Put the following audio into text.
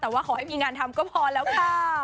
แต่ว่าขอให้มีงานทำก็พอแล้วค่ะ